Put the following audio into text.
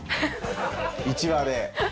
１話で。